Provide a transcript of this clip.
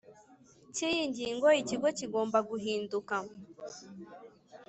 cy iyi ngingo Ikigo kigomba guhinduka